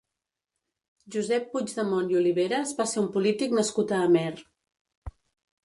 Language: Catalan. Josep Puigdemont i Oliveras va ser un polític nascut a Amer.